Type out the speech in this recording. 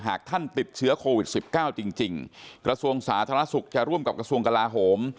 หากท่านติดเชื้อโควิด๑๙จริงกระทรวงสาธารณสุขจะร่วมกับกระทรวงกลาโหม